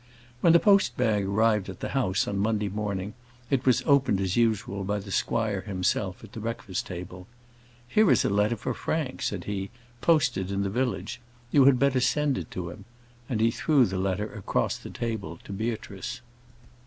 When the post bag arrived at the house on Monday morning, it was opened as usual by the squire himself at the breakfast table. "Here is a letter for Frank," said he, "posted in the village. You had better send it to him:" and he threw the letter across the table to Beatrice.